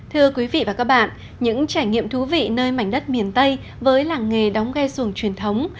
thưa quý vị và các bạn những trải nghiệm thú vị nơi mảnh đất miền tây với làng nghề đóng ghe xuồng truyền thống